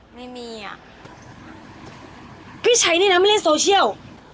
ไม่มีอ่ะพี่ใช้ด้วยนะไม่เล่นโซเชียล